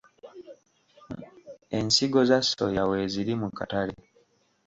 Ensigo za soya weeziri mu katale.